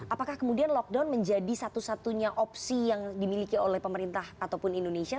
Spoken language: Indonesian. apakah kemudian lockdown menjadi satu satunya opsi yang dimiliki oleh pemerintah ataupun indonesia